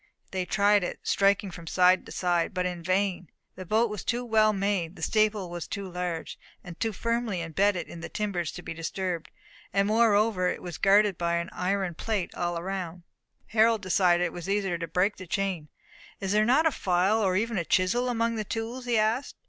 They tried it, striking from side to side, but in vain. The boat was too well made; the staple was too large, and too firmly imbedded in the timbers to be disturbed; and, moreover, it was guarded by an iron plate all around. Harold decided it was easier to break the chain. "Is there not a file, nor even a chisel among the tools?" he asked.